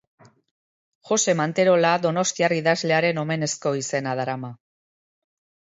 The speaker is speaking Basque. Jose Manterola donostiar idazlearen omenezko izena darama.